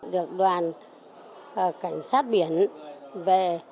được đoàn cảnh sát biển về